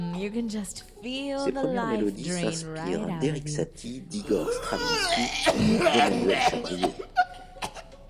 Ses premières mélodies s'inspirent d'Erik Satie, d'Igor Stravinski, d'Emmanuel Chabrier.